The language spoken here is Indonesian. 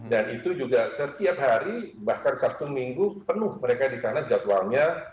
dan itu juga setiap hari bahkan satu minggu penuh mereka di sana jadwalnya